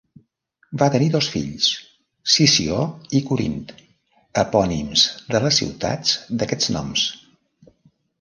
Va tenir dos fills, Sició i Corint, epònims de les ciutats d'aquests noms.